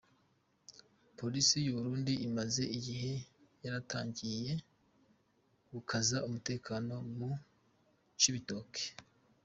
Polisi y’u Burundi imaze igihe yaratangiye gukaza umutekano mu Cibitoki.